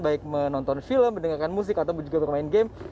baik menonton film mendengarkan musik ataupun juga bermain game